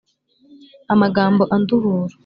Amagambo anduhura